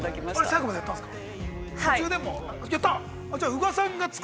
◆最後までやったんですか。